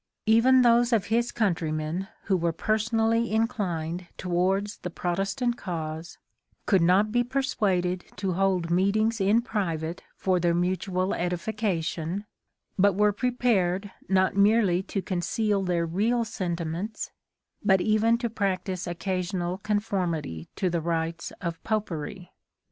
Even those of his countrymen who were personally inclined towards the Protestant cause could not be persuaded to hold meetings in private for their mutual edification, but were prepared not merely to conceal their real sentiments, but even to practise occasional confor mity to the rites of Popery.